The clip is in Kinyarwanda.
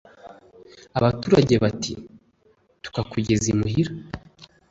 Abaturage bati: tukakugeza imuhira!